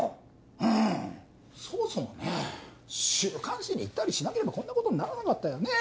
うんそもそもね週刊誌に言ったりしなければこんなことにならなかったよねぇ